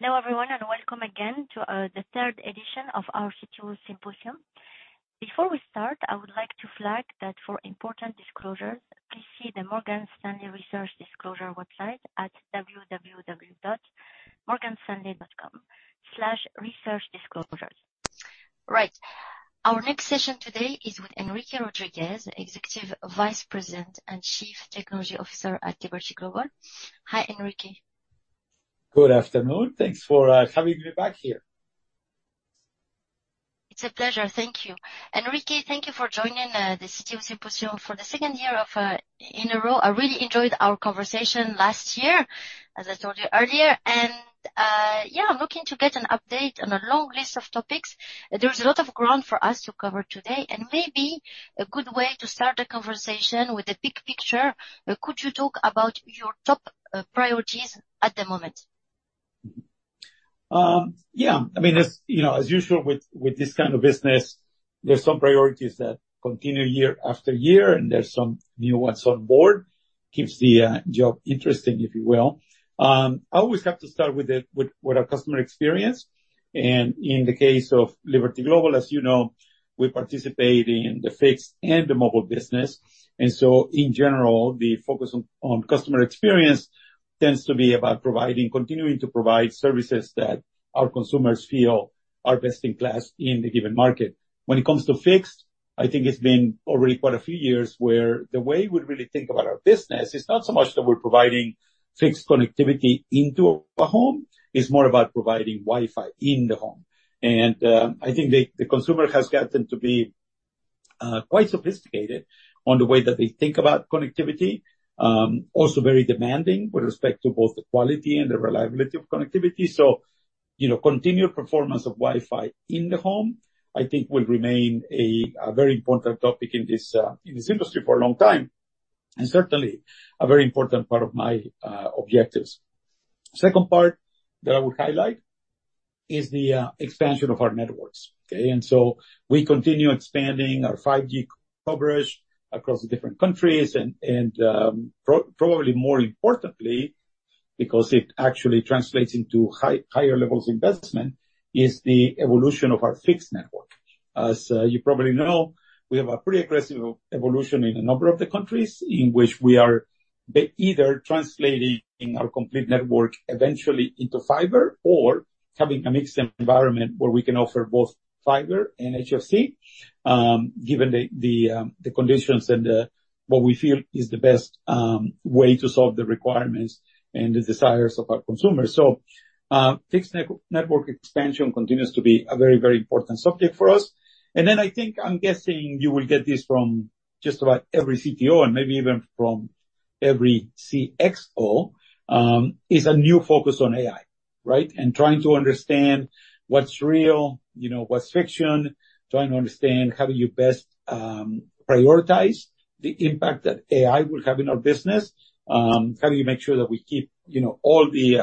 Hello, everyone, and welcome again to the third edition of our CTO Symposium. Before we start, I would like to flag that for important disclosures, please see the Morgan Stanley Research Disclosure website at www.morganstanley.com/researchdisclosures. Right. Our next session today is with Enrique Rodríguez, Executive Vice President and Chief Technology Officer at Liberty Global. Hi, Enrique. Good afternoon. Thanks for having me back here. It's a pleasure. Thank you. Enrique, thank you for joining the CTO Symposium for the second year of in a row. I really enjoyed our conversation last year, as I told you earlier, and yeah, I'm looking to get an update on a long list of topics. There's a lot of ground for us to cover today, and maybe a good way to start the conversation with the big picture, could you talk about your top priorities at the moment? Yeah. I mean, as you know, as usual, with this kind of business, there's some priorities that continue year after year, and there's some new ones on board. Keeps the job interesting, if you will. I always have to start with our customer experience, and in the case of Liberty Global, as you know, we participate in the fixed and the mobile business. And so in general, the focus on customer experience tends to be about continuing to provide services that our consumers feel are best in class in a given market. When it comes to fixed, I think it's been already quite a few years where the way we really think about our business is not so much that we're providing fixed connectivity into a home, it's more about providing Wi-Fi in the home. I think the consumer has gotten to be quite sophisticated on the way that they think about connectivity, also very demanding with respect to both the quality and the reliability of connectivity. You know, continued performance of Wi-Fi in the home, I think, will remain a very important topic in this industry for a long time, and certainly a very important part of my objectives. Second part that I would highlight is the expansion of our networks, okay? So we continue expanding our 5G coverage across the different countries, and probably more importantly, because it actually translates into higher levels of investment, is the evolution of our fixed network. As you probably know, we have a pretty aggressive evolution in a number of the countries in which we are either translating our complete network eventually into fiber or having a mixed environment where we can offer both fiber and HFC, given the conditions and what we feel is the best way to solve the requirements and the desires of our consumers. So, fixed network expansion continues to be a very, very important subject for us. And then I think, I'm guessing you will get this from just about every CTO and maybe even from every CXO, is a new focus on AI, right? And trying to understand what's real, you know, what's fiction, trying to understand how do you best prioritize the impact that AI will have in our business. How do you make sure that we keep, you know, all the,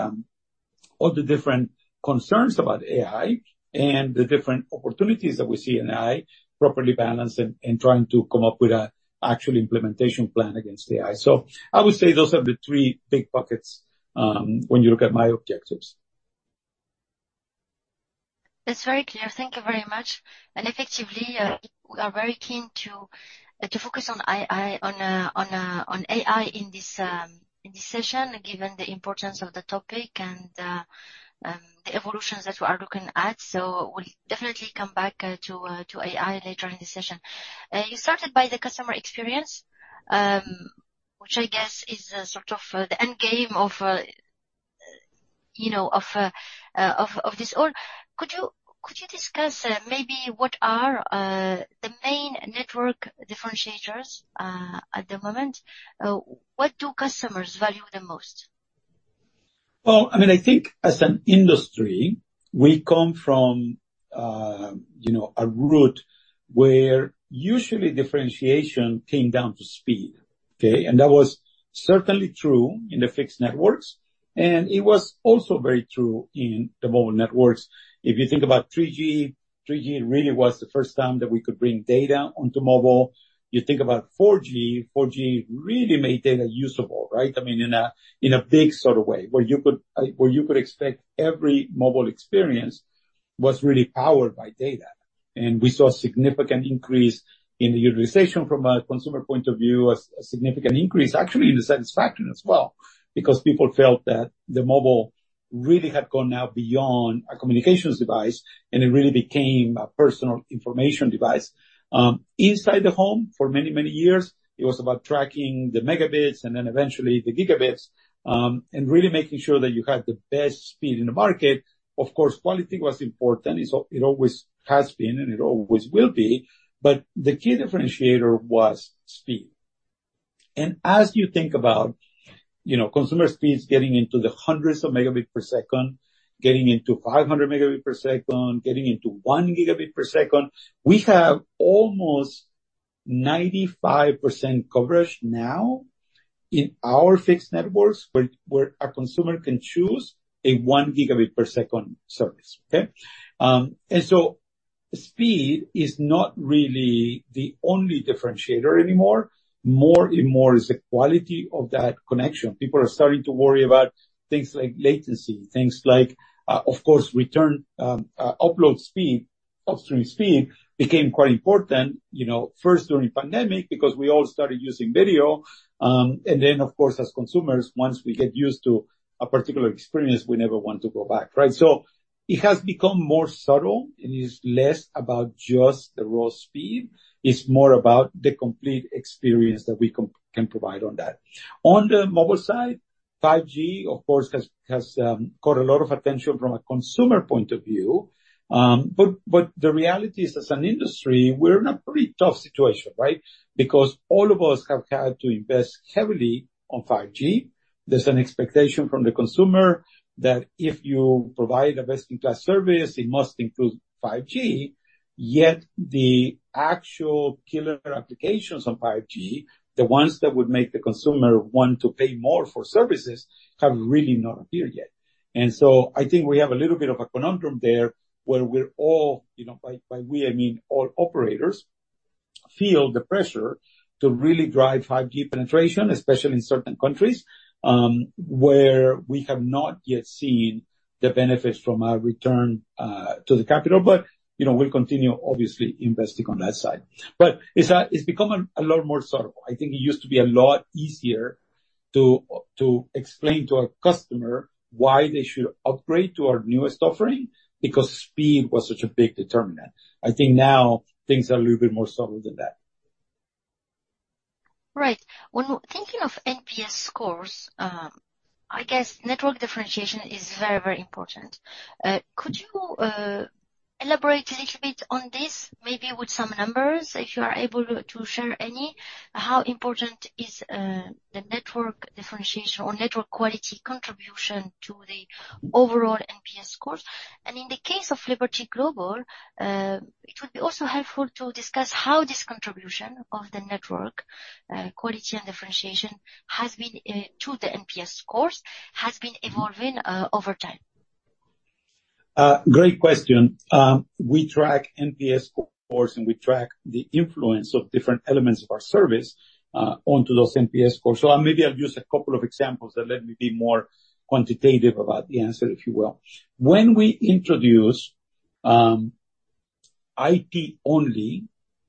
all the different concerns about AI and the different opportunities that we see in AI properly balanced and, and trying to come up with an actual implementation plan against AI. So I would say those are the three big buckets, when you look at my objectives. That's very clear. Thank you very much. Effectively, we are very keen to focus on AI in this session, given the importance of the topic and the evolutions that we are looking at. We'll definitely come back to AI later in the session. You started by the customer experience, which I guess is sort of the end game of, you know, of this all. Could you discuss maybe what are the main network differentiators at the moment? What do customers value the most? Well, I mean, I think as an industry, we come from, you know, a route where usually differentiation came down to speed, okay? And that was certainly true in the fixed networks, and it was also very true in the mobile networks. If you think about 3G, 3G really was the first time that we could bring data onto mobile. You think about 4G, 4G really made data usable, right? I mean, in a, in a big sort of way, where you could, where you could expect every mobile experience was really powered by data, and we saw a significant increase in the utilization from a consumer point of view, a, a significant increase actually in the satisfaction as well, because people felt that the mobile really had gone now beyond a communications device, and it really became a personal information device. Inside the home for many, many years, it was about tracking the megabits and then eventually the gigabits, and really making sure that you had the best speed in the market. Of course, quality was important. It always has been, and it always will be. But the key differentiator was speed. And as you think about, you know, consumer speeds getting into the hundreds of megabits per second, getting into 500 Mbps, getting into 1 Gbps, we have almost 95% coverage now in our fixed networks, where a consumer can choose a 1 Gbps service, okay? Speed is not really the only differentiator anymore. More and more, it's the quality of that connection. People are starting to worry about things like latency, things like, of course, return, upload speed. Upstream speed became quite important, you know, first during the pandemic, because we all started using video. And then, of course, as consumers, once we get used to a particular experience, we never want to go back, right? So it has become more subtle and is less about just the raw speed. It's more about the complete experience that we can, can provide on that. On the mobile side, 5G, of course, has got a lot of attention from a consumer point of view. But the reality is, as an industry, we're in a pretty tough situation, right? Because all of us have had to invest heavily on 5G. There's an expectation from the consumer that if you provide a best-in-class service, it must include 5G. Yet the actual killer applications on 5G, the ones that would make the consumer want to pay more for services, have really not appeared yet. And so I think we have a little bit of a conundrum there, where we're all, you know, I mean all operators, feel the pressure to really drive 5G penetration, especially in certain countries, where we have not yet seen the benefits from our return to the capital. But, you know, we'll continue, obviously, investing on that side. But it's become a lot more subtle. I think it used to be a lot easier to explain to a customer why they should upgrade to our newest offering, because speed was such a big determinant. I think now things are a little bit more subtle than that. Right. When we're thinking of NPS scores, I guess network differentiation is very, very important. Could you elaborate a little bit on this, maybe with some numbers, if you are able to share any? How important is the network differentiation or network quality contribution to the overall NPS scores? And in the case of Liberty Global, it would be also helpful to discuss how this contribution of the network quality and differentiation has been to the NPS scores, has been evolving over time. Great question. We track NPS scores, and we track the influence of different elements of our service onto those NPS scores. So, maybe I'll use a couple of examples that let me be more quantitative about the answer, if you will. When we introduce IP-only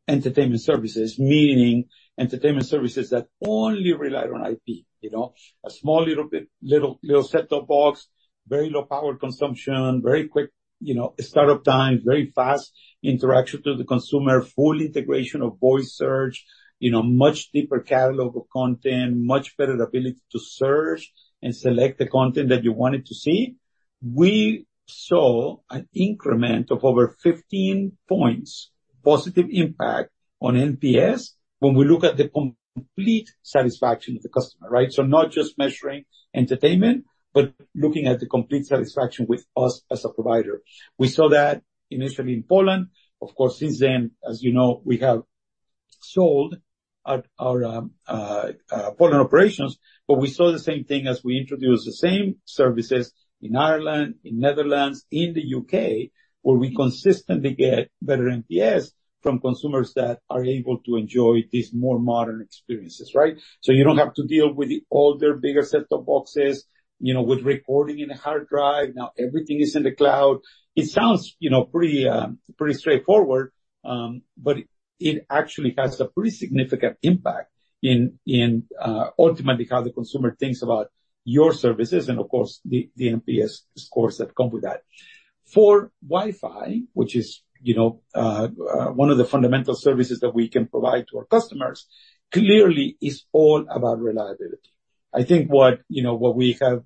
entertainment services, meaning entertainment services that only rely on IP, you know, a small, little set-top box, very low power consumption, very quick, you know, startup times, very fast interaction to the consumer, full integration of voice search, you know, much deeper catalog of content, much better ability to search and select the content that you wanted to see. We saw an increment of over 15 points positive impact on NPS when we look at the complete satisfaction of the customer, right? So not just measuring entertainment, but looking at the complete satisfaction with us as a provider. We saw that initially in Poland. Of course, since then, as you know, we have sold our Poland operations, but we saw the same thing as we introduced the same services in Ireland, in Netherlands, in the U.K., where we consistently get better NPS from consumers that are able to enjoy these more modern experiences, right? So you don't have to deal with the older, bigger set-top boxes, you know, with recording in a hard drive. Now, everything is in the cloud. It sounds, you know, pretty, pretty straightforward, but it actually has a pretty significant impact in ultimately how the consumer thinks about your services and of course, the NPS scores that come with that. For Wi-Fi, which is, you know, one of the fundamental services that we can provide to our customers, clearly it's all about reliability. I think what, you know, what we have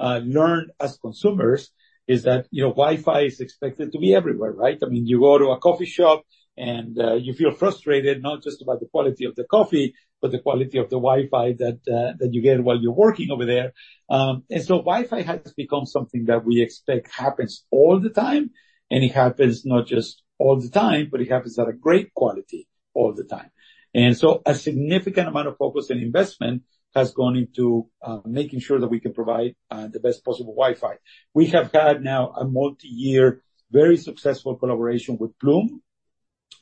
learned as consumers is that, you know, Wi-Fi is expected to be everywhere, right? I mean, you go to a coffee shop, and you feel frustrated, not just about the quality of the coffee, but the quality of the Wi-Fi that that you get while you're working over there. And so Wi-Fi has become something that we expect happens all the time, and it happens not just all the time, but it happens at a great quality all the time. And so a significant amount of focus and investment has gone into making sure that we can provide the best possible Wi-Fi. We have had now a multi-year, very successful collaboration with Plume,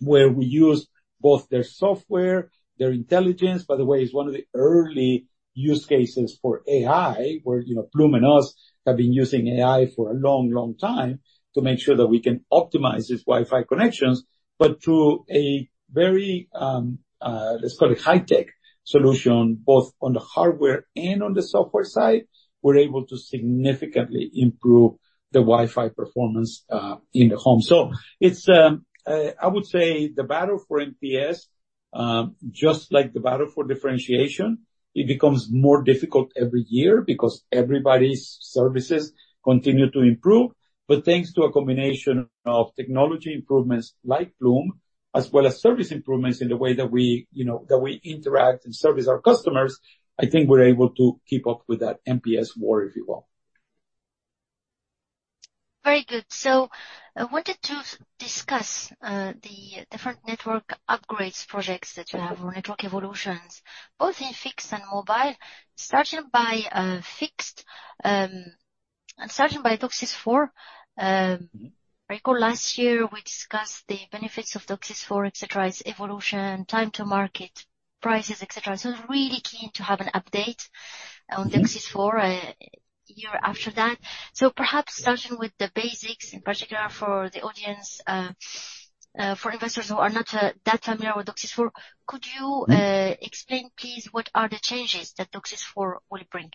where we use both their software, their intelligence. By the way, it's one of the early use cases for AI, where, you know, Plume and us have been using AI for a long, long time to make sure that we can optimize these Wi-Fi connections. But through a very, let's call it high-tech solution, both on the hardware and on the software side, we're able to significantly improve the Wi-Fi performance in the home. So it's, I would say the battle for NPS, just like the battle for differentiation, it becomes more difficult every year because everybody's services continue to improve. But thanks to a combination of technology improvements like Plume, as well as service improvements in the way that we, you know, that we interact and service our customers, I think we're able to keep up with that NPS war, if you will. Very good. So I wanted to discuss the different network upgrades projects that you have, or network evolutions, both in fixed and mobile, starting by fixed. And starting by DOCSIS 4.0, I recall last year we discussed the benefits of DOCSIS 4.0, etc, its evolution, time to market, prices, etc. So I was really keen to have an update on DOCSIS 4.0, a year after that. So perhaps starting with the basics, in particular for the audience, for investors who are not that familiar with DOCSIS 4.0, could you explain please what are the changes that DOCSIS 4.0 will bring?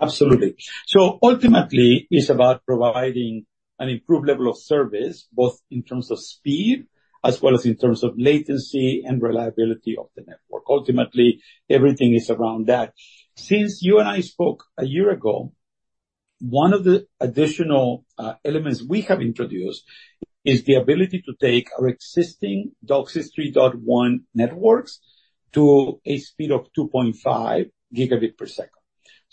Absolutely. So ultimately, it's about providing an improved level of service, both in terms of speed as well as in terms of latency and reliability of the network. Ultimately, everything is around that. Since you and I spoke a year ago, one of the additional elements we have introduced is the ability to take our existing DOCSIS 3.1 networks to a speed of 2.5 Gbps.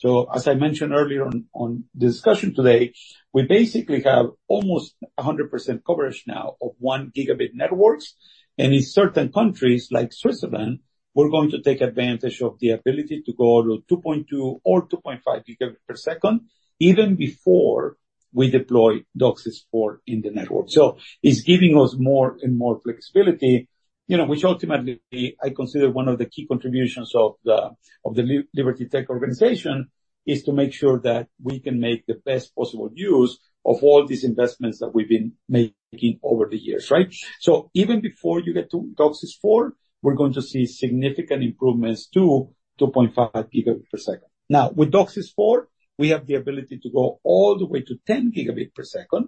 So as I mentioned earlier on, on the discussion today, we basically have almost 100% coverage now of 1 gigabit networks, and in certain countries, like Switzerland, we're going to take advantage of the ability to go to 2.2 or 2.5 Gbps, even before we deploy DOCSIS 4.0 in the network. So it's giving us more and more flexibility, you know, which ultimately I consider one of the key contributions of the Liberty Tech organization, is to make sure that we can make the best possible use of all these investments that we've been making over the years, right? So even before you get to DOCSIS 4.0, we're going to see significant improvements to 2.5 Gbps. Now, with DOCSIS 4.0, we have the ability to go all the way to 10 Gbps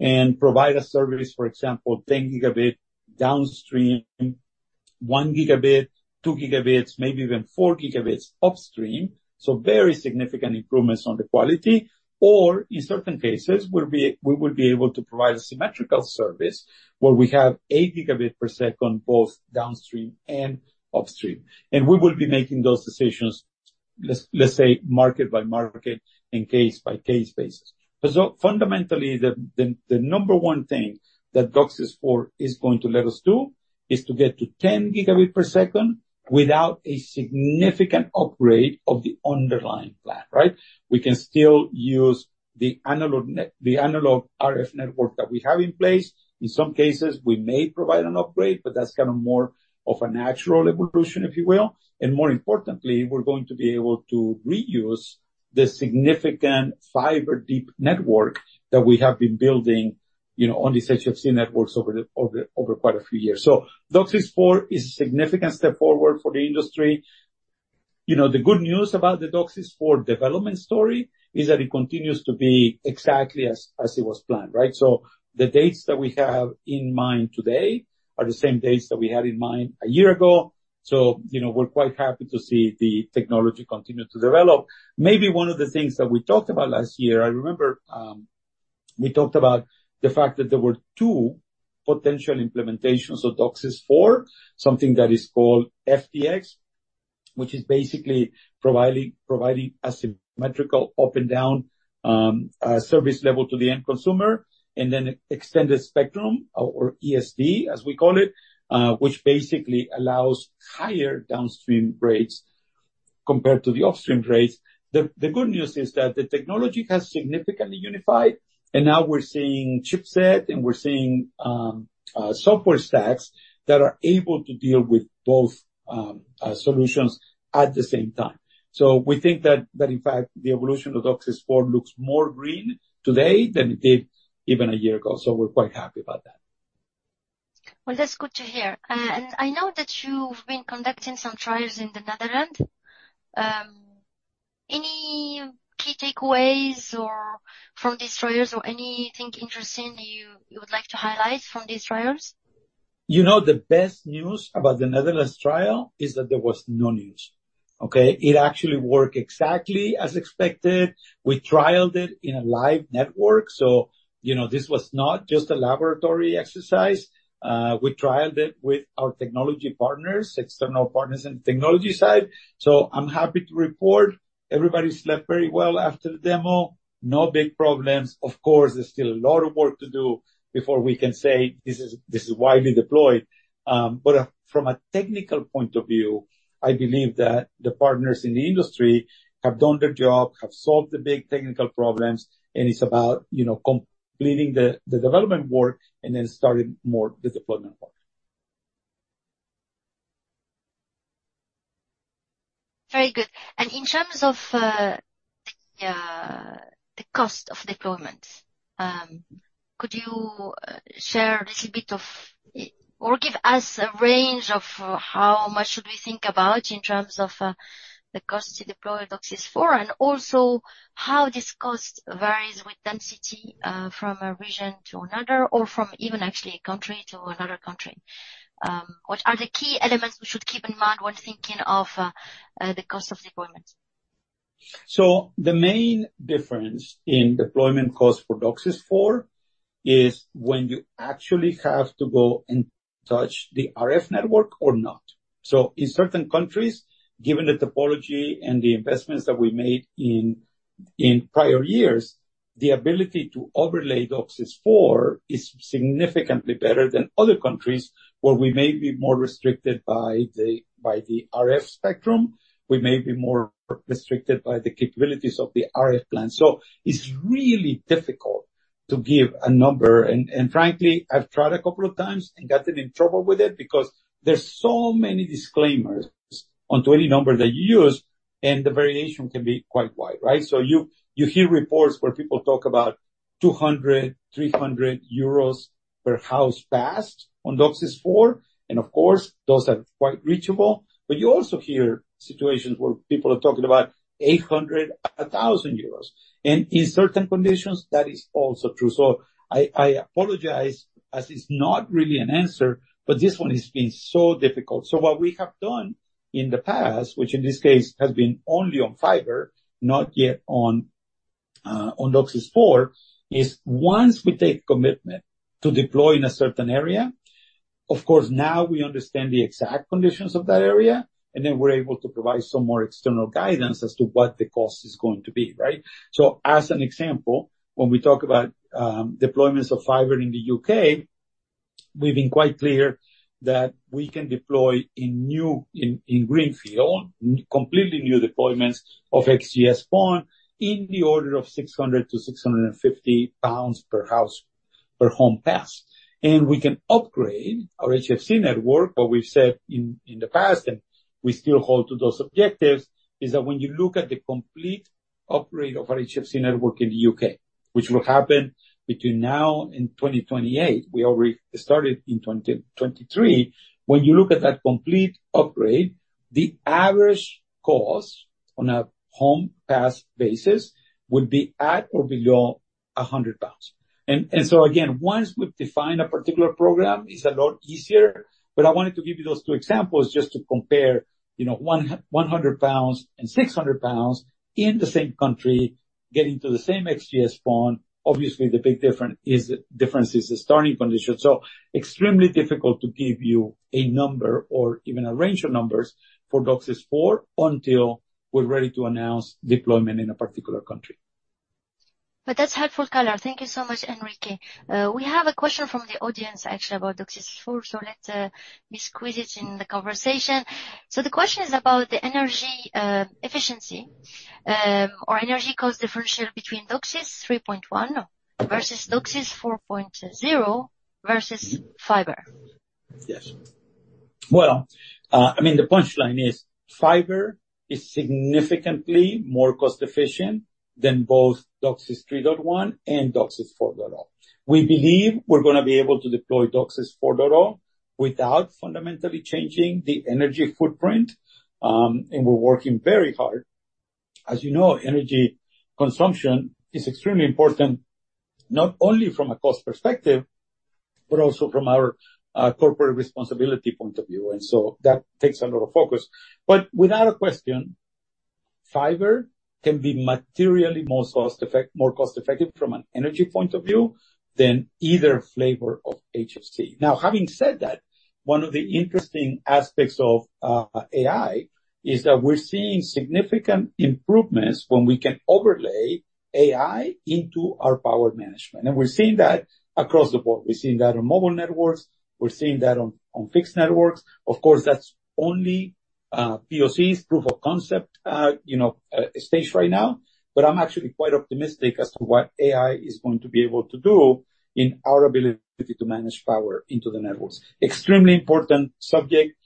and provide a service, for example, 10 Gbps downstream, 1 Gbps, 2 Gbps, maybe even 4 Gbps upstream. So very significant improvements on the quality, or in certain cases, we will be able to provide a symmetrical service, where we have 8 Gbps, both downstream and upstream. We will be making those decisions, let's say, market by market and case by case basis. But so fundamentally, the number one thing DOCSIS 4.0 is going to let us do is to get to 10 Gbps without a significant upgrade of the underlying plant, right? We can still use the analog RF network that we have in place. In some cases, we may provide an upgrade, but that's kind of more of a natural evolution, if you will. And more importantly, we're going to be able to reuse the significant fiber deep network that we have been building, you know, on these HFC networks over quite a few years. DOCSIS 4.0 is a significant step forward for the industry. You know, the good news about the DOCSIS 4.0 development story is that it continues to be exactly as, as it was planned, right? So the dates that we have in mind today are the same dates that we had in mind a year ago. So, you know, we're quite happy to see the technology continue to develop. Maybe one of the things that we talked about last year, I remember, we talked about the fact that there were two potential implementations of DOCSIS 4.0, something that is called FDX, which is basically providing, providing a symmetrical up and down, service level to the end consumer, and then Extended Spectrum or ESD, as we call it, which basically allows higher downstream rates compared to the upstream rates. The good news is that the technology has significantly unified, and now we're seeing chipset, and we're seeing software stacks that are able to deal with both solutions at the same time. So we think that, in fact, the evolution of DOCSIS 4.0 looks more green today than it did even a year ago. So we're quite happy about that. Well, that's good to hear. I know that you've been conducting some trials in the Netherlands. Any key takeaways or from these trials or anything interesting you, you would like to highlight from these trials? You know, the best news about the Netherlands trial is that there was no news. Okay? It actually worked exactly as expected. We trialed it in a live network, so, you know, this was not just a laboratory exercise. We trialed it with our technology partners, external partners in the technology side. So I'm happy to report everybody slept very well after the demo. No big problems. Of course, there's still a lot of work to do before we can say this is, this is widely deployed. But from a technical point of view, I believe that the partners in the industry have done their job, have solved the big technical problems, and it's about, you know, completing the, the development work and then starting more the deployment work. Very good. And in terms of the cost of deployment, could you share a little bit of, or give us a range of how much should we think about in terms of the cost to deploy DOCSIS 4.0? And also, how this cost varies with density from a region to another or from even actually a country to another country. What are the key elements we should keep in mind when thinking of the cost of deployment? So the main difference in deployment costs for DOCSIS 4.0 is when you actually have to go and touch the RF network or not. So in certain countries, given the topology and the investments that we made in prior years, the ability to overlay DOCSIS 4.0 is significantly better than other countries where we may be more restricted by the RF spectrum. We may be more restricted by the capabilities of the RF plan. So it's really difficult to give a number. And frankly, I've tried a couple of times and gotten in trouble with it because there's so many disclaimers onto any number that you use, and the variation can be quite wide, right? So you hear reports where people talk about 200-300 euros per house passed on DOCSIS 4.0, and of course, those are quite reachable. But you also hear situations where people are talking about 800, 1,000 euros, and in certain conditions, that is also true. So I, I apologize as it's not really an answer, but this one has been so difficult. So what we have done in the past, which in this case has been only on fiber, not yet on DOCSIS 4.0, is once we take commitment to deploy in a certain area, of course, now we understand the exact conditions of that area, and then we're able to provide some more external guidance as to what the cost is going to be, right? So as an example, when we talk about deployments of fiber in the U.K., we've been quite clear that we can deploy in new greenfield, completely new deployments of XGS-PON in the order of 600-650 pounds per home passed. And we can upgrade our HFC network, but we've said in the past, and we still hold to those objectives, is that when you look at the complete upgrade of our HFC network in the U.K., which will happen between now and 2028, we already started in 2023. When you look at that complete upgrade, the average cost on a home passed basis would be at or below 100 pounds. And so again, once we've defined a particular program, it's a lot easier. But I wanted to give you those two examples just to compare, you know, 100 pounds and 600 pounds in the same country getting to the same XGS-PON. Obviously, the big difference is the starting condition. So extremely difficult to give you a number or even a range of numbers for DOCSIS 4.0 until we're ready to announce deployment in a particular country. But that's helpful color. Thank you so much, Enrique. We have a question from the audience, actually, about DOCSIS 4.0. So let me squeeze it in the conversation. So the question is about the energy efficiency or energy cost differential between DOCSIS 3.1 DOCSIS 4.0 versus fiber. Yes. Well, I mean, the punchline is fiber is significantly more cost-efficient than both DOCSIS 3.1 and DOCSIS 4.0. We believe we're gonna be able to DOCSIS 4.0 without fundamentally changing the energy footprint, and we're working very hard. As you know, energy consumption is extremely important, not only from a cost perspective, but also from our corporate responsibility point of view, and so that takes a lot of focus. But without a question, fiber can be materially more cost effect- more cost-effective from an energy point of view than either flavor of HFC. Now, having said that, one of the interesting aspects of AI is that we're seeing significant improvements when we can overlay AI into our power management, and we're seeing that across the board. We're seeing that on mobile networks. We're seeing that on fixed networks. Of course, that's only POCs, proof of concept, you know, stage right now. But I'm actually quite optimistic as to what AI is going to be able to do in our ability to manage power into the networks. Extremely important subject,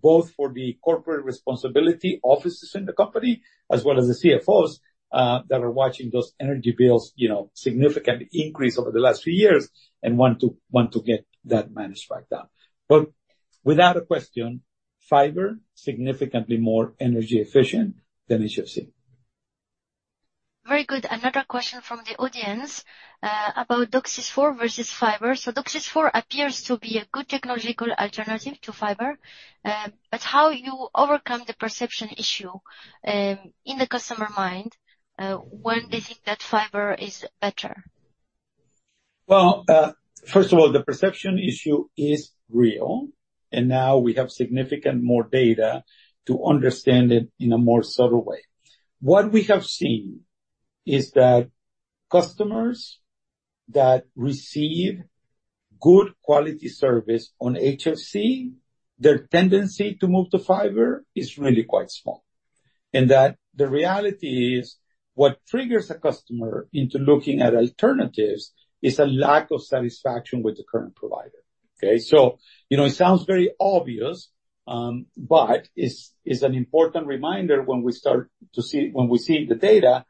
both for the corporate responsibility offices in the company, as well as the CFOs that are watching those energy bills, you know, significantly increase over the last few years and want to get that managed back down. But without a question, fiber, significantly more energy efficient than HFC. Very good. Another question from the audience, about DOCSIS 4.0 versus fiber. So DOCSIS 4.0 appears to be a good technological alternative to fiber, but how you overcome the perception issue, in the customer mind, when they think that fiber is better? Well, first of all, the perception issue is real, and now we have significant more data to understand it in a more subtle way. What we have seen is that customers that receive good quality service on HFC, their tendency to move to fiber is really quite small, and that the reality is, what triggers a customer into looking at alternatives is a lack of satisfaction with the current provider. Okay? So, you know, it sounds very obvious, but it's, it's an important reminder when we see the data,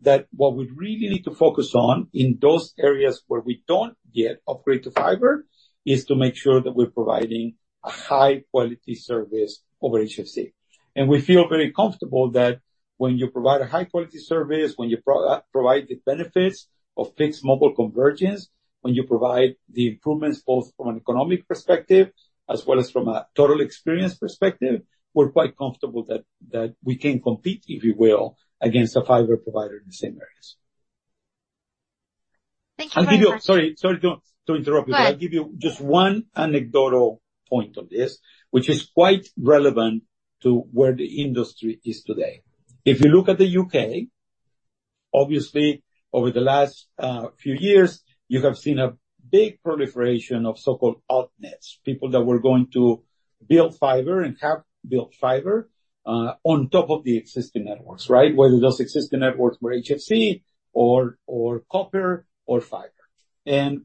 that what we really need to focus on in those areas where we don't yet upgrade to fiber, is to make sure that we're providing a high-quality service over HFC. We feel very comfortable that when you provide a high-quality service, when you provide the benefits of fixed mobile convergence, when you provide the improvements both from an economic perspective as well as from a total experience perspective, we're quite comfortable that we can compete, if you will, against a fiber provider in the same areas. I'll give you. Sorry, sorry to interrupt you. Go ahead. I'll give you just one anecdotal point on this, which is quite relevant to where the industry is today. If you look at the U.K., obviously over the last few years, you have seen a big proliferation of so-called alt-nets, people that were going to build fiber and have built fiber on top of the existing networks, right? Whether those existing networks were HFC or copper or fiber. And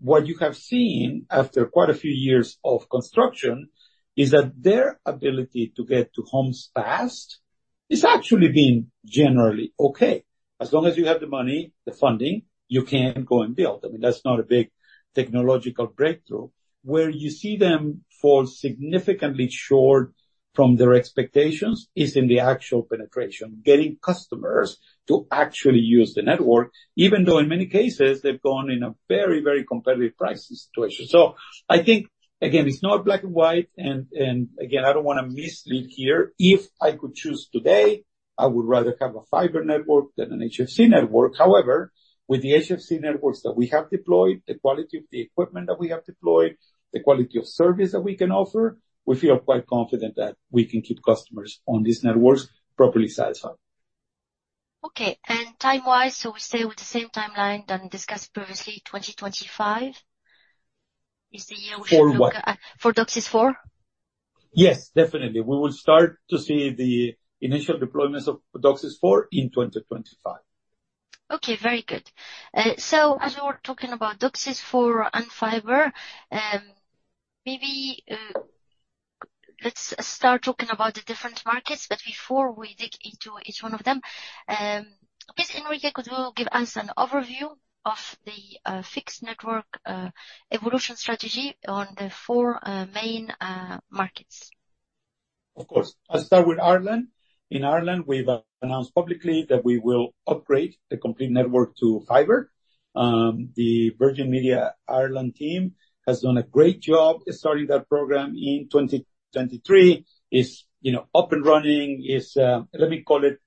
what you have seen after quite a few years of construction is that their ability to get to homes fast is actually been generally okay. As long as you have the money, the funding, you can go and build. I mean, that's not a big technological breakthrough. Where you see them fall significantly short from their expectations is in the actual penetration, getting customers to actually use the network, even though in many cases they've gone in a very, very competitive price situation. So I think, again, it's not black and white, and, and again, I don't wanna mislead here. If I could choose today, I would rather have a fiber network than an HFC network. However, with the HFC networks that we have deployed, the quality of the equipment that we have deployed, the quality of service that we can offer, we feel quite confident that we can keep customers on these networks properly satisfied. Okay, and time-wise, so we stay with the same timeline that we discussed previously, 2025 is the year we should look at- For what? For DOCSIS 4.0. Yes, definitely. We will start to see the initial deployments of DOCSIS 4.0 in 2025. Okay, very good. So as we're talking about DOCSIS 4.0 and fiber, maybe, let's start talking about the different markets. But before we dig into each one of them, please, Enrique, could you give us an overview of the fixed network evolution strategy on the four main markets? Of course. I'll start with Ireland. In Ireland, we've announced publicly that we will upgrade the complete network to fiber. The Virgin Media Ireland team has done a great job starting that program in 2023. It's, you know, up and running, let me call it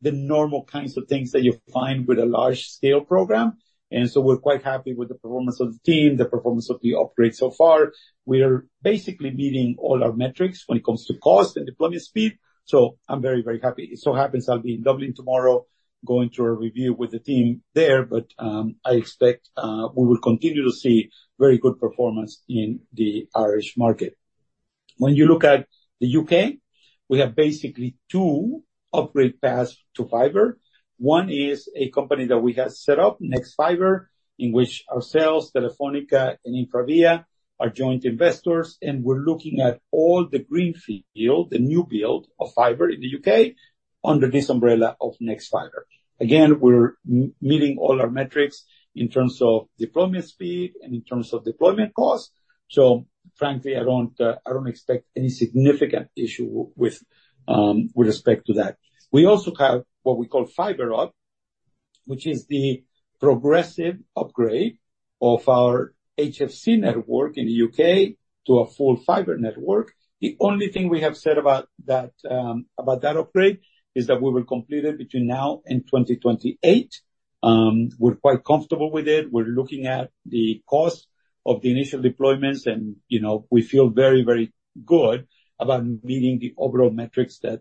the normal kinds of things that you find with a large-scale program. And so we're quite happy with the performance of the team, the performance of the upgrade so far. We're basically meeting all our metrics when it comes to cost and deployment speed, so I'm very, very happy. It so happens I'll be in Dublin tomorrow, going to a review with the team there, but, I expect, we will continue to see very good performance in the Irish market. When you look at the U.K., we have basically two upgrade paths to fiber. One is a company that we have set up, nexfibre, in which ourselves, Telefónica and InfraVia, are joint investors, and we're looking at all the greenfield, the new build of fiber in the U.K. under this umbrella of nexfibre. Again, we're meeting all our metrics in terms of deployment speed and in terms of deployment cost. So frankly, I don't, I don't expect any significant issue with, with respect to that. We also have what we call Fibre Up, which is the progressive upgrade of our HFC network in the U.K. to a full fiber network. The only thing we have said about that, about that upgrade, is that we will complete it between now and 2028. We're quite comfortable with it. We're looking at the cost of the initial deployments, and, you know, we feel very, very good about meeting the overall metrics that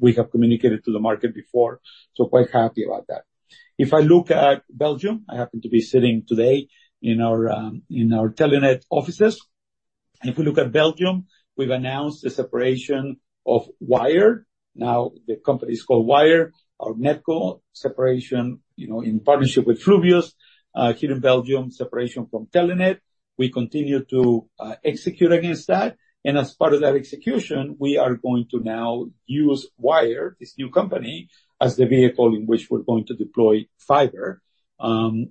we have communicated to the market before. So quite happy about that. If I look at Belgium, I happen to be sitting today in our, in our Telenet offices. If we look at Belgium, we've announced the separation of Wyre. Now, the company is called Wyre, our NetCo separation, you know, in partnership with Proximus here in Belgium, separation from Telenet. We continue to execute against that, and as part of that execution, we are going to now use Wyre, this new company, as the vehicle in which we're going to deploy fiber.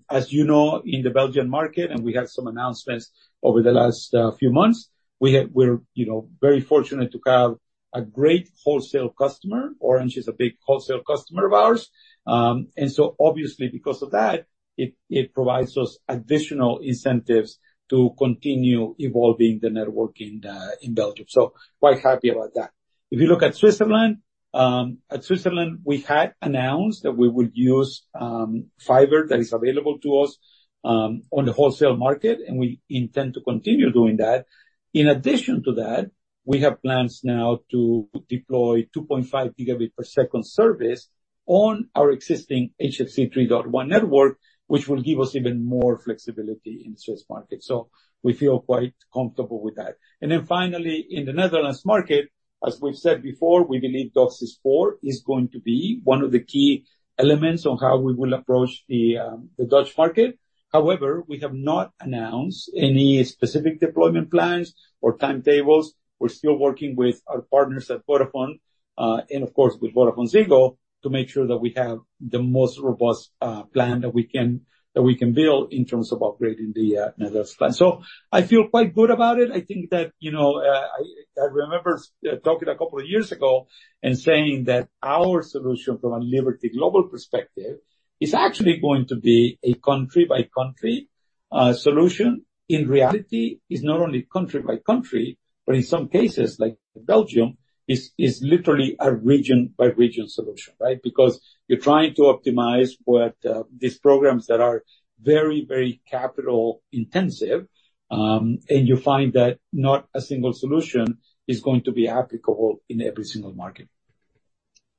As you know, in the Belgian market, and we had some announcements over the last few months, we have we're, you know, very fortunate to have a great wholesale customer. Orange is a big wholesale customer of ours. And so obviously because of that, it provides us additional incentives to continue evolving the network in Belgium. So quite happy about that. If you look at Switzerland, at Switzerland, we had announced that we would use fiber that is available to us on the wholesale market, and we intend to continue doing that. In addition to that, we have plans now to deploy 2.5 Gbps service on our existing HFC 3.1 network, which will give us even more flexibility in the Swiss market. So we feel quite comfortable with that. And then finally, in the Netherlands market, as we've said before, we believe DOCSIS 4.0 is going to be one of the key elements on how we will approach the Dutch market. However, we have not announced any specific deployment plans or timetables. We're still working with our partners at Vodafone and of course, with VodafoneZiggo, to make sure that we have the most robust plan that we can build in terms of upgrading the Netherlands plan. So I feel quite good about it. I think that, you know, I remember talking a couple of years ago and saying that our solution from a Liberty Global perspective is actually going to be a country-by-country solution in reality is not only country by country, but in some cases, like Belgium, is literally a region by region solution, right? Because you're trying to optimize what these programs that are very, very capital intensive, and you find that not a single solution is going to be applicable in every single market.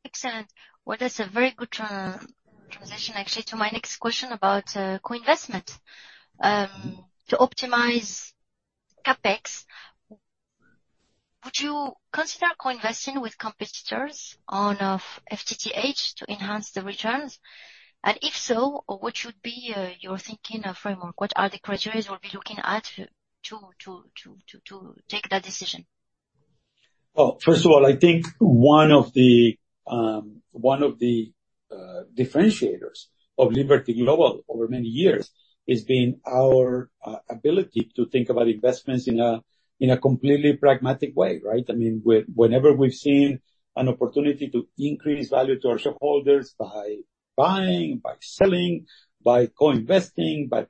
Excellent. Well, that's a very good transition, actually, to my next question about co-investment. To optimize CapEx, would you consider co-investing with competitors on FTTH to enhance the returns? And if so, what should be your thinking or framework? What are the criteria you will be looking at to take that decision? Well, first of all, I think one of the differentiators of Liberty Global over many years has been our ability to think about investments in a completely pragmatic way, right? I mean, whenever we've seen an opportunity to increase value to our shareholders by buying, by selling, by co-investing, by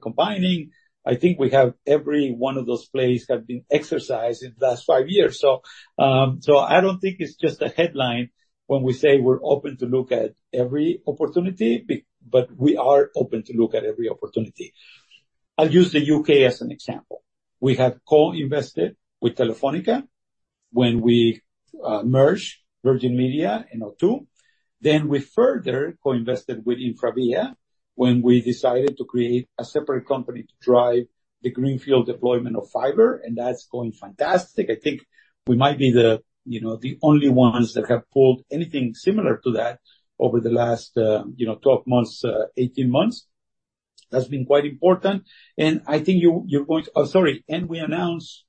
combining, I think we have every one of those plays have been exercised in the last five years. So, so I don't think it's just a headline when we say we're open to look at every opportunity, but we are open to look at every opportunity. I'll use the U.K. as an example. We have co-invested with Telefónica when we merged Virgin Media and O2. Then we further co-invested with InfraVia, when we decided to create a separate company to drive the greenfield deployment of fiber, and that's going fantastic. I think we might be the, you know, the only ones that have pulled anything similar to that over the last, you know, 12-18 months. That's been quite important. And we announced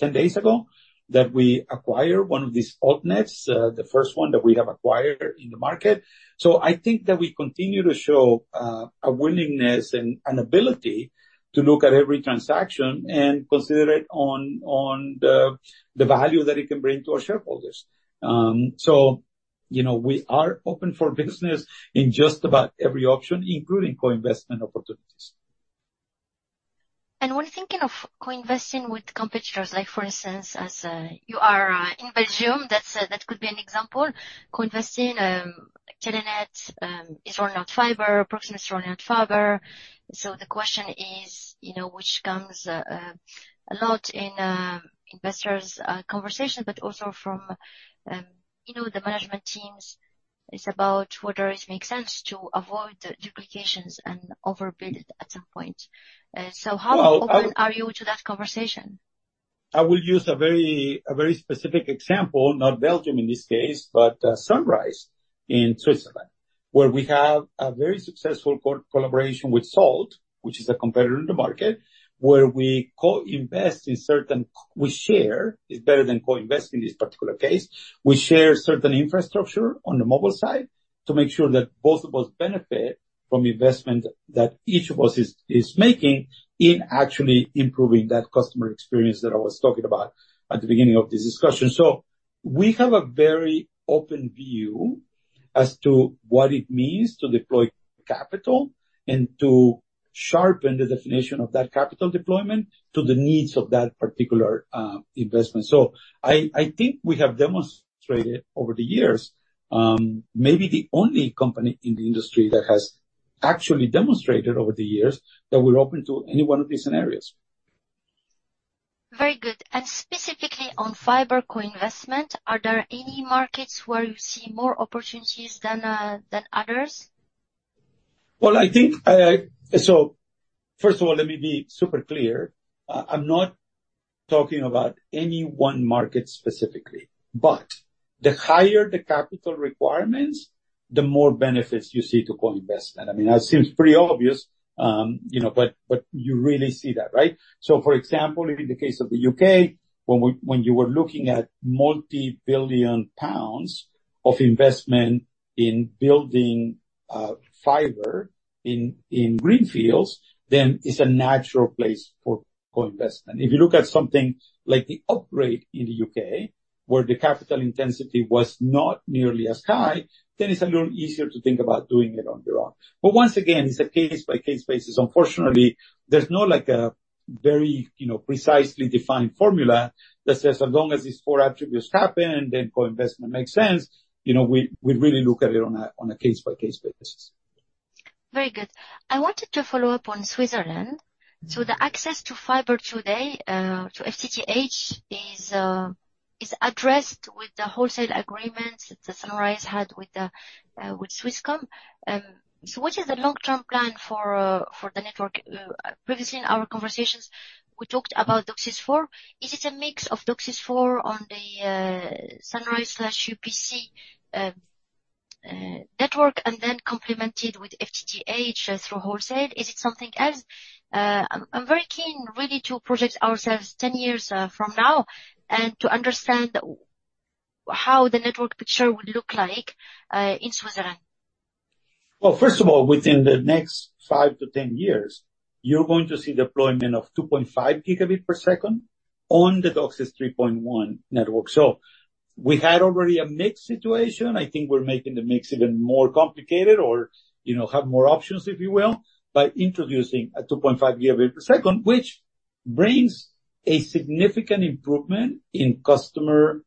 10 days ago that we acquired one of these alt-nets, the first one that we have acquired in the market. So I think that we continue to show a willingness and an ability to look at every transaction and consider it on the value that it can bring to our shareholders. So, you know, we are open for business in just about every option, including co-investment opportunities. And when thinking of co-investing with competitors, like for instance, as you are in Belgium, that's that could be an example. Co-investing, Telenet is rolling out fiber, Proximus is rolling out fiber. So the question is, you know, which comes a lot in investors' conversation, but also from you know the management teams, is about whether it makes sense to avoid the duplications and overbuild at some point. So how open are you to that conversation? I will use a very, a very specific example, not Belgium in this case, but Sunrise in Switzerland, where we have a very successful collaboration with Salt, which is a competitor in the market, where we co-invest in certain we share, is better than co-invest in this particular case. We share certain infrastructure on the mobile side to make sure that both of us benefit from investment that each of us is making in actually improving that customer experience that I was talking about at the beginning of this discussion. So we have a very open view as to what it means to deploy capital and to sharpen the definition of that capital deployment to the needs of that particular investment. I think we have demonstrated over the years, maybe the only company in the industry that has actually demonstrated over the years that we're open to any one of these scenarios. Very good. And specifically on fiber co-investment, are there any markets where you see more opportunities than others? Well, I think so first of all, let me be super clear. I'm not talking about any one market specifically, but the higher the capital requirements, the more benefits you see to co-investment. I mean, that seems pretty obvious, you know, but you really see that, right? So for example, in the case of the U.K., when you were looking at multi-billion GBP of investment in building fiber in greenfields, then it's a natural place for co-investment. If you look at something like the upgrade in the U.K., where the capital intensity was not nearly as high, then it's a little easier to think about doing it on your own. But once again, it's a case-by-case basis. Unfortunately, there's no, like, a very, you know, precisely defined formula that says as long as these four attributes happen, then co-investment makes sense. You know, we really look at it on a case-by-case basis. Very good. I wanted to follow up on Switzerland. So the access to fiber today to FTTH is addressed with the wholesale agreements that Sunrise had with Swisscom. So what is the long-term plan for the network? Previously in our conversations, we about DOCSIS 4.0. Is it a mix DOCSIS 4.0 on the Sunrise/UPC network and then complemented with FTTH through wholesale? Is it something else? I'm very keen really to project ourselves 10 years from now, and to understand how the network picture would look like in Switzerland. Well, first of all, within the next 5-10 years, you're going to see deployment of 2.5 Gbps on the DOCSIS 3.1 network. So we had already a mixed situation. I think we're making the mix even more complicated or, you know, have more options, if you will, by introducing a 2.5 Gbps, which brings a significant improvement in customer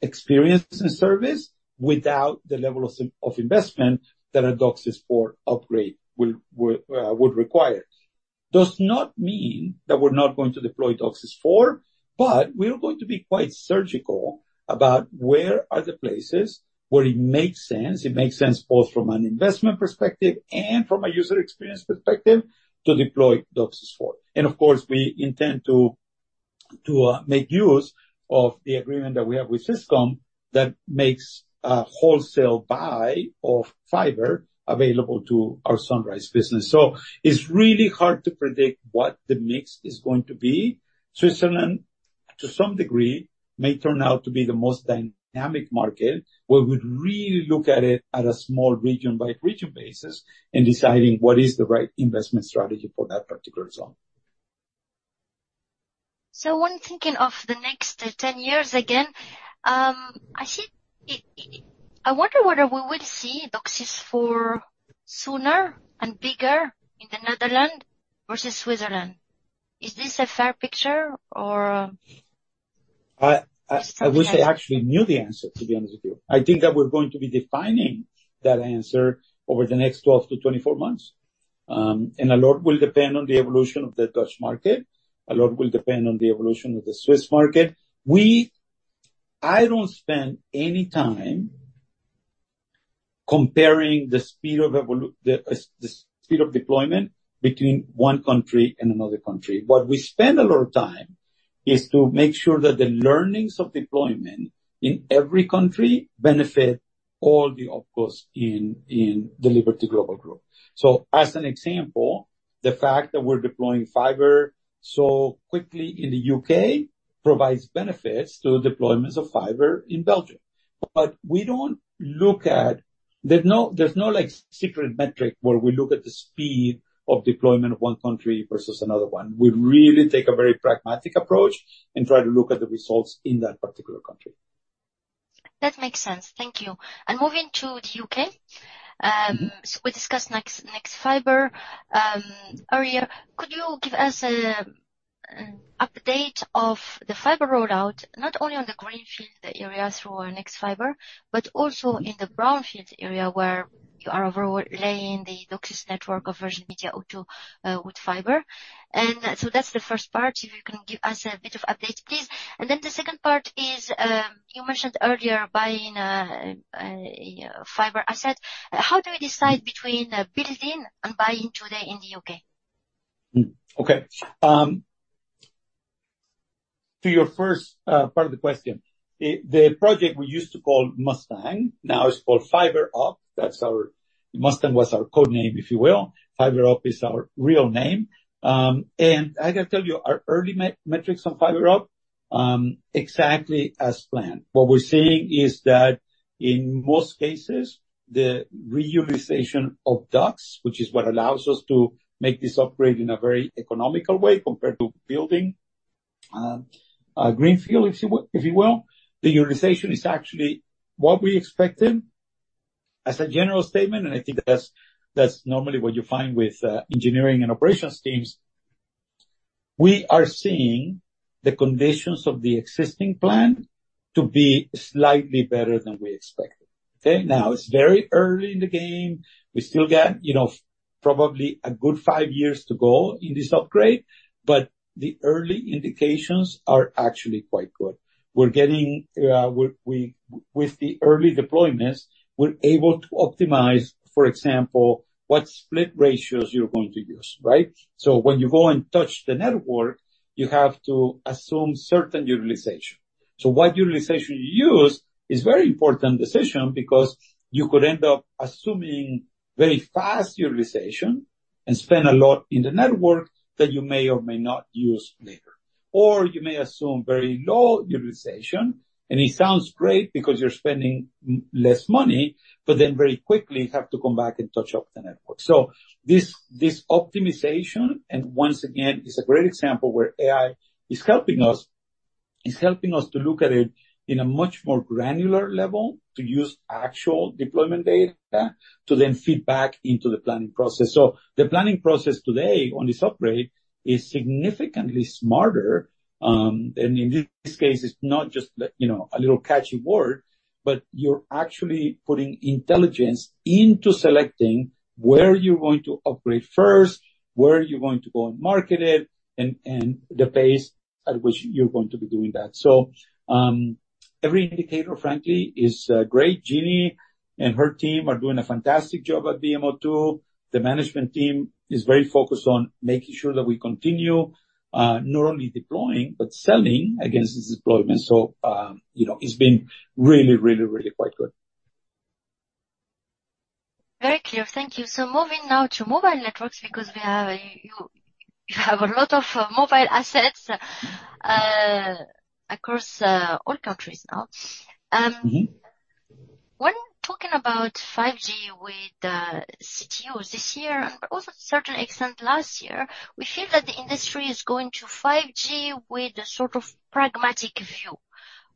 experience and service without the level of investment that DOCSIS 4.0 upgrade would require. Does not mean that we're not going to DOCSIS 4.0, but we are going to be quite surgical about where are the places where it makes sense. It makes sense both from an investment perspective and from a user experience perspective, to deploy DOCSIS 4.0. Of course, we intend to make use of the agreement that we have with Swisscom, that makes a wholesale buy of fiber available to our Sunrise business. So it's really hard to predict what the mix is going to be. Switzerland, to some degree, may turn out to be the most dynamic market, where we'd really look at it on a small region-by-region basis and decide what is the right investment strategy for that particular zone. So when thinking of the next 10 years again, I see it. I wonder whether we will see DOCSIS 4.0 sooner and bigger in the Netherlands versus Switzerland. Is this a fair picture or- I wish I actually knew the answer, to be honest with you. I think that we're going to be defining that answer over the next 12-24 months. And a lot will depend on the evolution of the Dutch market. A lot will depend on the evolution of the Swiss market. I don't spend any time comparing the speed of deployment between one country and another country. What we spend a lot of time is to make sure that the learnings of deployment in every country benefit all the OpCos in the Liberty Global group. So as an example, the fact that we're deploying fiber so quickly in the U.K. provides benefits to the deployments of fiber in Belgium. But we don't look at, there's no, like, secret metric, where we look at the speed of deployment of one country versus another one. We really take a very pragmatic approach and try to look at the results in that particular country. That makes sense. Thank you. And moving to the U.K., so we discussed nexfibre earlier. Could you give us an update of the fiber rollout, not only on the greenfield areas through our nexfibre, but also in the brownfield area where you are overlaying the DOCSIS network of Virgin Media O2 with fiber? And so that's the first part. If you can give us a bit of update, please. And then the second part is, you mentioned earlier buying fiber asset. How do you decide between building and buying today in the U.K.? Okay. To your first part of the question, the project we used to call Mustang, now is called Fibre Up. That's our... Mustang was our code name, if you will. Fibre Up is our real name. And I can tell you our early metrics on Fibre Up, exactly as planned. What we're seeing is that in most cases, the reutilization of ducts, which is what allows us to make this upgrade in a very economical way compared to building a greenfield, if you will. The utilization is actually what we expected as a general statement, and I think that's normally what you find with engineering and operations teams. We are seeing the conditions of the existing plant to be slightly better than we expected. Okay? Now, it's very early in the game. We still get, you know, probably a good five years to go in this upgrade, but the early indications are actually quite good. We're getting with the early deployments, we're able to optimize, for example, what split ratios you're going to use, right? So when you go and touch the network, you have to assume certain utilization. So what utilization you use is very important decision, because you could end up assuming very fast utilization and spend a lot in the network that you may or may not use later. Or you may assume very low utilization, and it sounds great because you're spending less money, but then very quickly you have to come back and touch up the network. So this optimization, and once again, is a great example where AI is helping us. It's helping us to look at it in a much more granular level, to use actual deployment data, to then feed back into the planning process. So the planning process today on this upgrade is significantly smarter, and in this case, it's not just, you know, a little catchy word, but you're actually putting intelligence into selecting where you're going to operate first, where you're going to go and market it, and the pace at which you're going to be doing that. So every indicator, frankly, is great. Jeanie and her team are doing a fantastic job at Virgin Media O2. The management team is very focused on making sure that we continue not only deploying, but selling against this deployment. So, you know, it's been really, really, really quite good. Very clear. Thank you. So moving now to mobile networks, because we have a, you, you have a lot of mobile assets, across, all countries now. Mm-hmm. When talking about 5G with CTOs this year and also to a certain extent last year, we feel that the industry is going to 5G with a sort of pragmatic view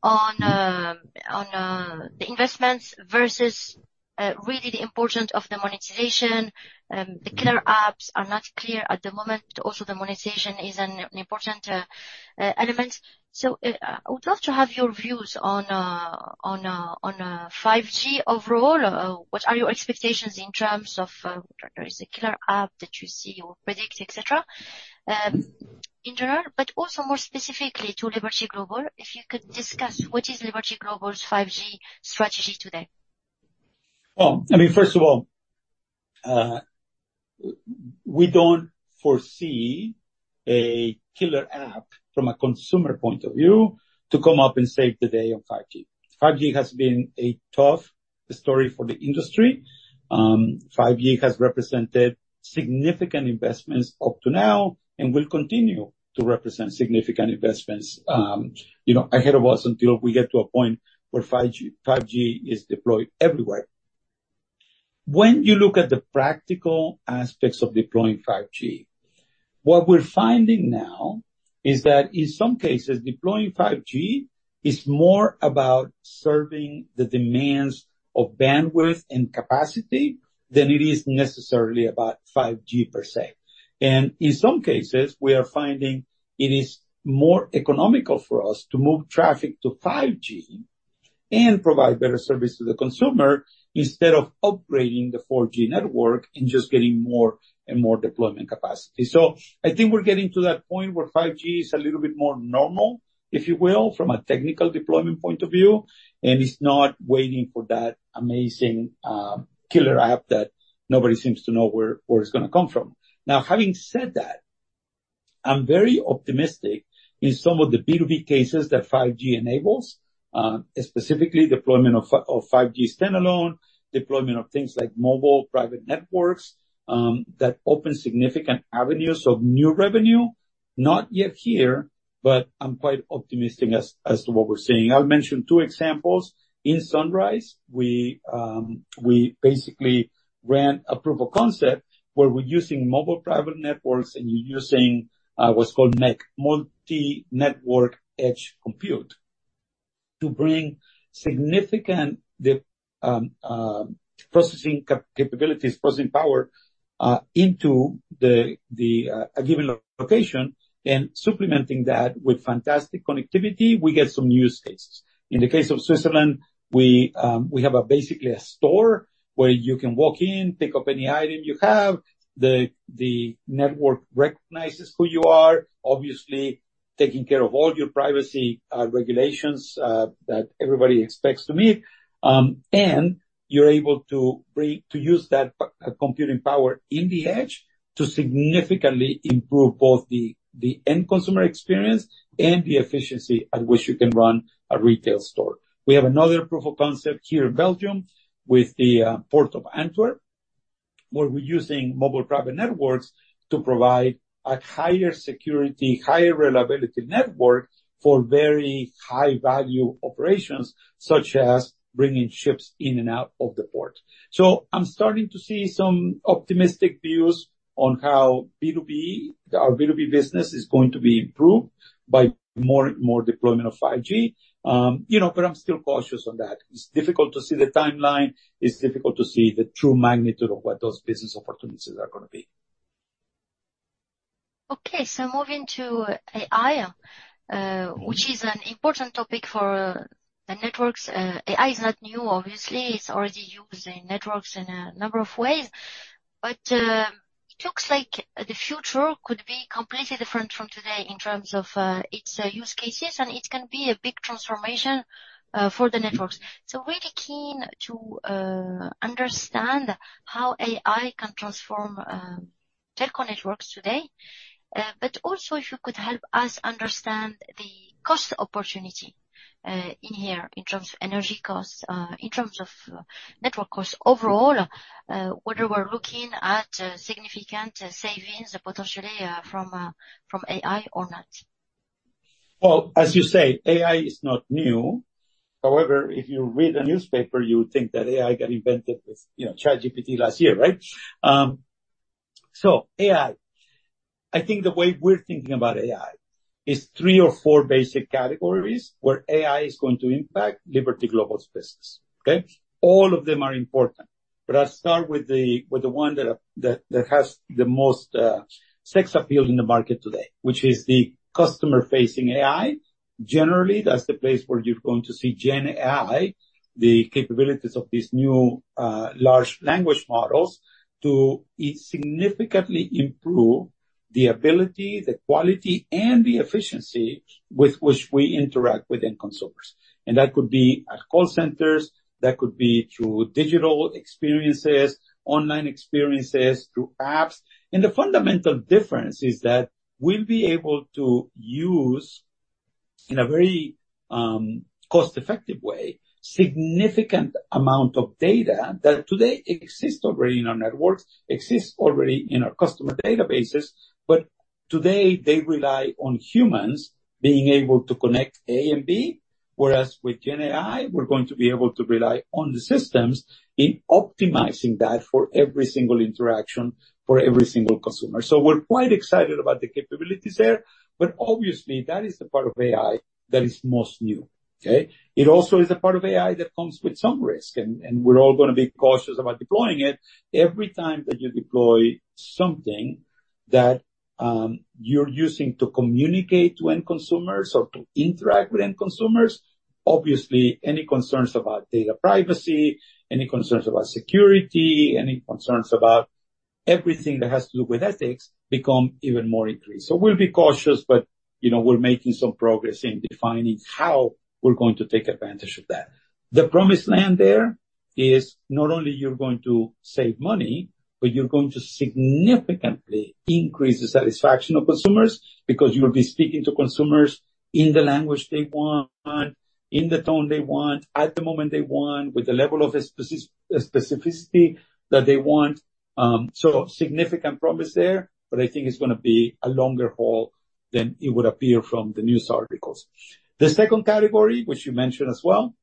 on the investments versus really the importance of the monetization. The killer apps are not clear at the moment, also the monetization is an important element. So, I would love to have your views on 5G overall. What are your expectations in terms of there is a killer app that you see or predict, etc, in general, but also more specifically to Liberty Global, if you could discuss what is Liberty Global's 5G strategy today? Well, I mean, first of all, we don't foresee a killer app from a consumer point of view to come up and save the day on 5G. 5G has been a tough story for the industry. 5G has represented significant investments up to now and will continue to represent significant investments, you know, ahead of us until we get to a point where 5G, 5G is deployed everywhere. When you look at the practical aspects of deploying 5G, what we're finding now is that in some cases, deploying 5G is more about serving the demands of bandwidth and capacity than it is necessarily about 5G per se. And in some cases, we are finding it is more economical for us to move traffic to 5G and provide better service to the consumer instead of upgrading the 4G network and just getting more and more deployment capacity. So I think we're getting to that point where 5G is a little bit more normal, if you will, from a technical deployment point of view, and it's not waiting for that amazing killer app that nobody seems to know where it's gonna come from. Now, having said that, I'm very optimistic in some of the B2B cases that 5G enables, specifically deployment of 5G standalone, deployment of things like mobile private networks, that open significant avenues of new revenue. Not yet here, but I'm quite optimistic as to what we're seeing. I'll mention two examples. In Sunrise, we basically ran a proof of concept where we're using mobile private networks and using what's called MEC, Multi-Network Edge Compute, to bring significant processing capabilities, processing power into a given location, and supplementing that with fantastic connectivity, we get some use cases. In the case of Switzerland, we have basically a store where you can walk in, pick up any item you have, the network recognizes who you are, obviously taking care of all your privacy regulations that everybody expects to meet. And you're able to use that computing power in the edge to significantly improve both the end consumer experience and the efficiency at which you can run a retail store. We have another proof of concept here in Belgium with the Port of Antwerp, where we're using mobile private networks to provide a higher security, higher reliability network for very high-value operations, such as bringing ships in and out of the port. So I'm starting to see some optimistic views on how B2B, our B2B business is going to be improved by more, more deployment of 5G. You know, but I'm still cautious on that. It's difficult to see the timeline, it's difficult to see the true magnitude of what those business opportunities are gonna be. Okay, so moving to AI, which is an important topic for the networks. AI is not new, obviously. It's already used in networks in a number of ways, but it looks like the future could be completely different from today in terms of its use cases, and it can be a big transformation for the networks. So really keen to understand how AI can transform telco networks today, but also if you could help us understand the cost opportunity in here, in terms of energy costs, in terms of network costs overall, whether we're looking at significant savings potentially from AI or not. Well, as you say, AI is not new. However, if you read a newspaper, you would think that AI got invented with, you know, ChatGPT last year, right? So AI, I think the way we're thinking about AI is three or four basic categories where AI is going to impact Liberty Global's business. Okay? All of them are important, but I'll start with the one that has the most sex appeal in the market today, which is the customer-facing AI. Generally, that's the place where you're going to see Gen AI, the capabilities of these new large language models to significantly improve the ability, the quality, and the efficiency with which we interact with end consumers. And that could be at call centers, that could be through digital experiences, online experiences, through apps. The fundamental difference is that we'll be able to use, in a very, cost-effective way, significant amount of data that today exists already in our networks, exists already in our customer databases, but today, they rely on humans being able to connect A and B, whereas with Gen AI, we're going to be able to rely on the systems in optimizing that for every single interaction, for every single consumer. So we're quite excited about the capabilities there, but obviously, that is the part of AI that is most new, okay? It also is a part of AI that comes with some risk, and, and we're all gonna be cautious about deploying it. Every time that you deploy something that you're using to communicate to end consumers or to interact with end consumers, obviously, any concerns about data privacy, any concerns about security, any concerns about everything that has to do with ethics become even more increased. So we'll be cautious, but, you know, we're making some progress in defining how we're going to take advantage of that. The promised land there is not only you're going to save money, but you're going to significantly increase the satisfaction of consumers, because you'll be speaking to consumers in the language they want, in the tone they want, at the moment they want, with the level of specificity that they want. So significant promise there, but I think it's gonna be a longer haul than it would appear from the news articles. The second category, which you mentioned as well,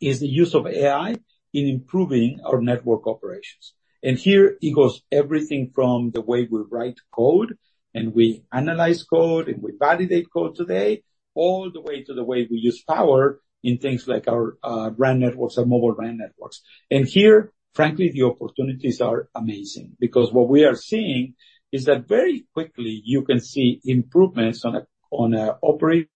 is the use of AI in improving our network operations. And here, it goes everything from the way we write code, and we analyze code, and we validate code today, all the way to the way we use power in things like our RAN networks and mobile RAN networks. And here, frankly, the opportunities are amazing, because what we are seeing is that very quickly you can see improvements on an operating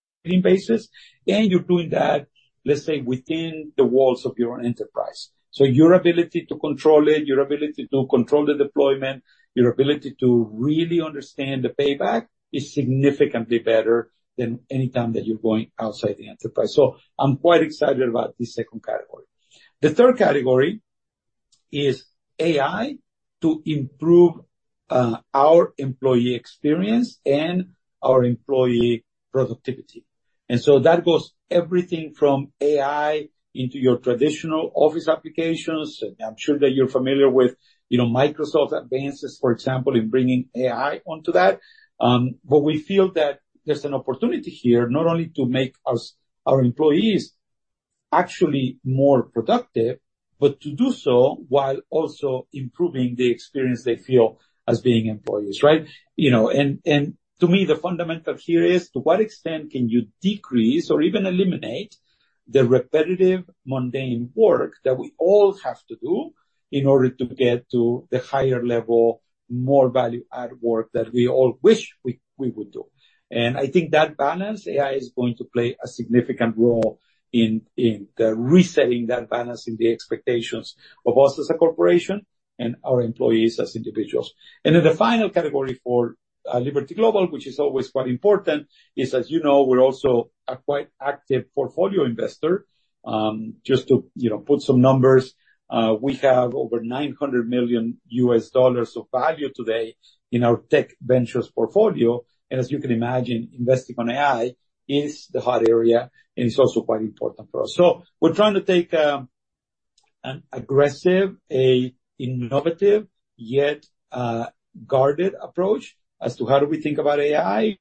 basis, and you're doing that, let's say, within the walls of your own enterprise. So your ability to control it, your ability to control the deployment, your ability to really understand the payback is significantly better than any time that you're going outside the enterprise. So I'm quite excited about this second category. The third category is AI to improve our employee experience and our employee productivity. And so that goes everything from AI into your traditional office applications. I'm sure that you're familiar with, you know, Microsoft advances, for example, in bringing AI onto that. But we feel that there's an opportunity here not only to make our employees actually more productive, but to do so while also improving the experience they feel as being employees, right? You know, and to me, the fundamental here is, to what extent can you decrease or even eliminate the repetitive, mundane work that we all have to do in order to get to the higher level, more value-added work that we all wish we would do? I think that balance, AI is going to play a significant role in, in the resetting that balance in the expectations of us as a corporation and our employees as individuals. Then the final category for Liberty Global, which is always quite important, is, as you know, we're also a quite active portfolio investor. Just to, you know, put some numbers, we have over $900 million of value today in our tech ventures portfolio. And as you can imagine, investing on AI is the hot area, and it's also quite important for us. We're trying to take an aggressive, a innovative, yet, guarded approach as to how do we think about AI.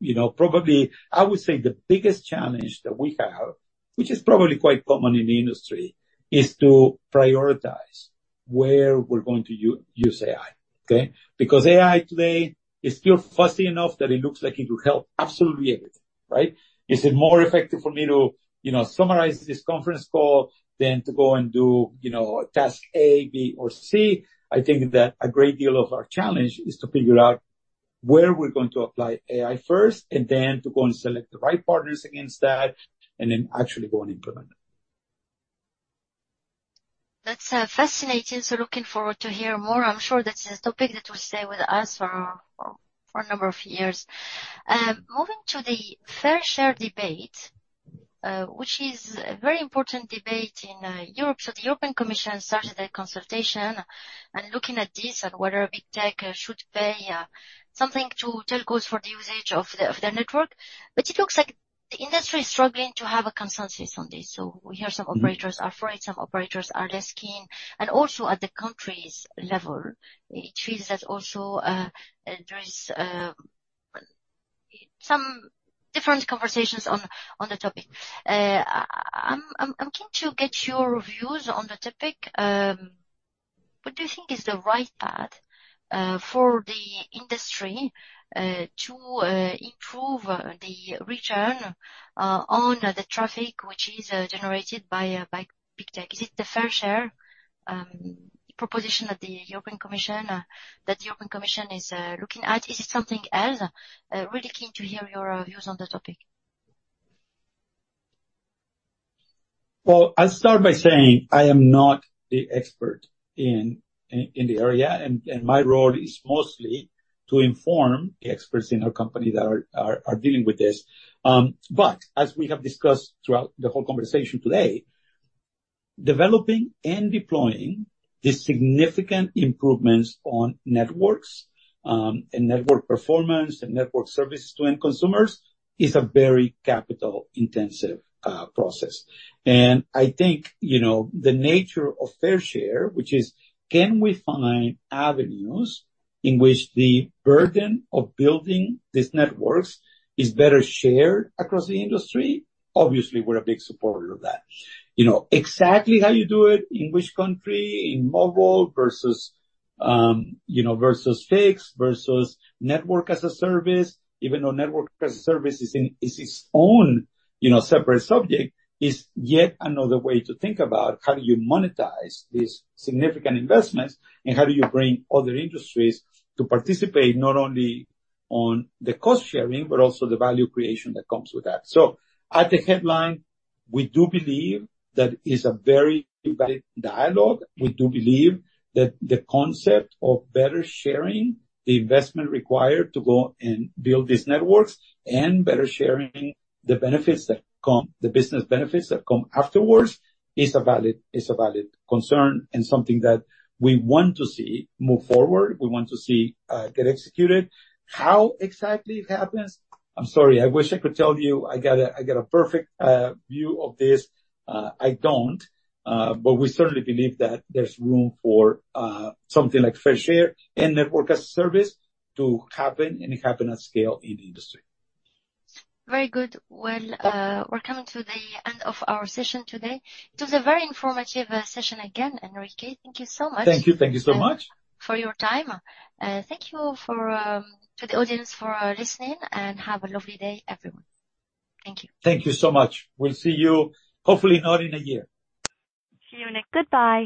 You know, probably, I would say the biggest challenge that we have, which is probably quite common in the industry, is to prioritize where we're going to use AI, okay? Because AI today is still fuzzy enough that it looks like it will help absolutely everything, right? Is it more effective for me to, you know, summarize this conference call than to go and do, you know, task A, B, or C? I think that a great deal of our challenge is to figure out where we're going to apply AI first and then to go and select the right partners against that, and then actually go and implement it. That's fascinating. So looking forward to hear more. I'm sure this is a topic that will stay with us for a number of years. Moving to the fair share debate, which is a very important debate in Europe. So the European Commission started a consultation, and looking at this and whether Big Tech should pay something to telcos for the usage of the network. But it looks like the industry is struggling to have a consensus on this. So we hear some operators are for it, some operators are less keen. And also at the countries level, it feels that also there is some different conversations on the topic. I'm keen to get your views on the topic. What do you think is the right path for the industry to improve the return on the traffic, which is generated by Big Tech? Is it the fair share proposition that the European Commission is looking at? Is it something else? Really keen to hear your views on the topic. Well, I'll start by saying I am not the expert in the area, and my role is mostly to inform the experts in our company that are dealing with this. But as we have discussed throughout the whole conversation today, developing and deploying the significant improvements on networks, and network performance and network services to end consumers is a very capital-intensive process. And I think, you know, the nature of fair share, which is: Can we find avenues in which the burden of building these networks is better shared across the industry? Obviously, we're a big supporter of that. You know, exactly how you do it, in which country, in mobile versus, you know, versus fixed, versus Network as a Service, even though Network as a Service is in, is its own, you know, separate subject, is yet another way to think about how do you monetize these significant investments and how do you bring other industries to participate not only on the cost-sharing, but also the value creation that comes with that. So at the headline, we do believe that it's a very valid dialogue. We do believe that the concept of better sharing the investment required to go and build these networks, and better sharing the benefits that come, the business benefits that come afterwards, is a valid concern and something that we want to see move forward. We want to see get executed. How exactly it happens, I'm sorry, I wish I could tell you I got a perfect view of this. I don't, but we certainly believe that there's room for something like fair share and Network as a Service to happen and happen at scale in the industry. Very good. Well, we're coming to the end of our session today. It was a very informative session again, Enrique. Thank you so much. Thank you, thank you so much. Thank you for your time. Thank you to the audience for listening, and have a lovely day, everyone. Thank you. Thank you so much. We'll see you, hopefully not in a year. See you next. Goodbye.